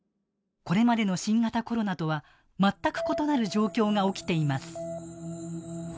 これまでの新型コロナとは全く異なる状況が起きています。